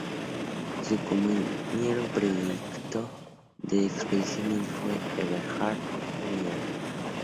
Su compañero predilecto de expediciones fue Eberhard Meier.